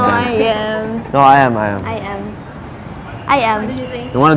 ใครที่เดิมลึกถูกดี